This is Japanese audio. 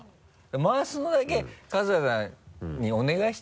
回すのだけ春日さんにお願いしてみ。